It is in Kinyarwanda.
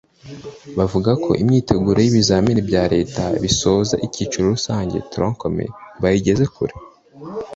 baravuga ko imyiteguro y’ibizamini bya Leta bisoza ikiciro rusange (tronc commun) bayigeze kure